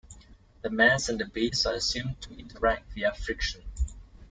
The mass and the base are assumed to interact via friction.